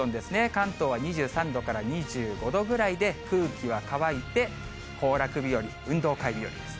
関東は２３度から２５度ぐらいで、空気は乾いて行楽日和、運動会日和です。